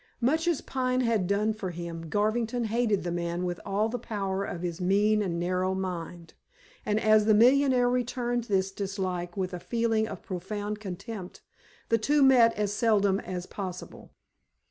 Much as Pine had done for him, Garvington hated the man with all the power of his mean and narrow mind, and as the millionaire returned this dislike with a feeling of profound contempt, the two met as seldom as possible.